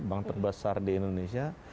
bank terbesar di indonesia